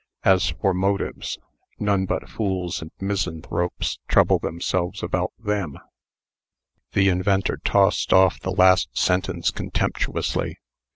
As for motives, none but fools and misanthropes trouble themselves about them." The inventor tossed off the last sentence contemptuously.